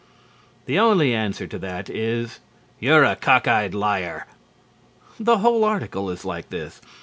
The only answer to that is, "You're a cock eyed liar!" The whole article is like this.